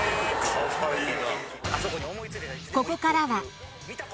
かわいいな。